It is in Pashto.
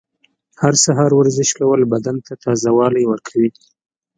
هر سهار ورزش کول بدن ته تازه والی ورکوي.